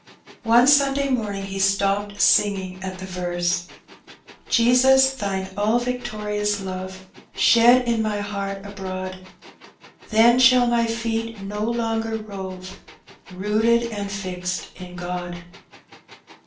One Sunday morning he stopped singing at the verse —*' Jesus, Thine all victorious love Shed in my heart abroad, Then shall my feet no longer rove, Rooted and fixed in God."